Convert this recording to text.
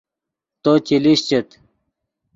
تو چے لیشچیت